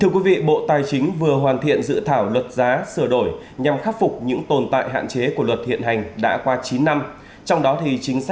các bạn hãy đăng ký kênh để ủng hộ kênh của chúng mình nhé